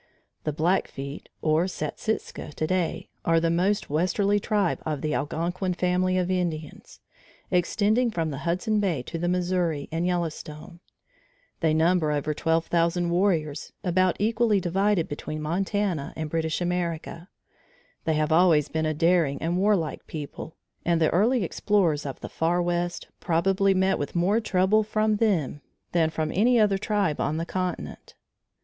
The Blackfeet or Satsika today, are the most westerly tribe of the Algonquin family of Indians, extending from the Hudson Bay to the Missouri and Yellowstone. They number over 12,000 warriors about equally divided between Montana and British America. They have always been a daring and warlike people, and the early explorers of the Far West probably met with more trouble from them than from any other tribe on the continent.